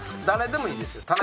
誰でもいいですよ。